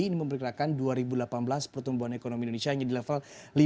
ini memperkenalkan dua ribu delapan belas pertumbuhan ekonomi indonesia yang di level lima tiga